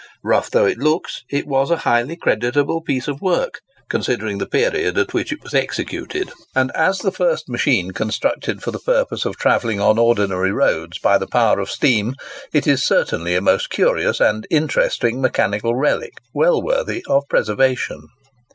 Rough though it looks, it was a highly creditable piece of work, considering the period at which it was executed; and as the first actual machine constructed for the purpose of travelling on ordinary roads by the power of steam, it is certainly a most curious and interesting mechanical relic, well worthy of preservation.